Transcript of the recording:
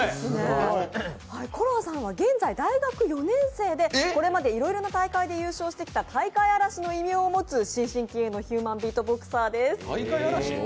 ＣｏＬｏＡさんは現在、大学４年生で、これまでいろいろな大会で優勝してきた大会荒らしの異名を持つ新進気鋭のヒューマンビートボクサーです。